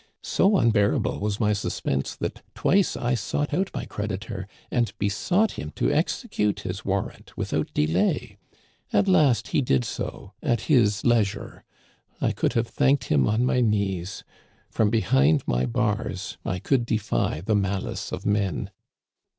" So unbearable was my suspense that twice I sought out my creditor and besought him to execute his war rant without delay. At last he did so, at his leisure. I could have thanked him on my knees. From behind my bars I could defy the malice of men.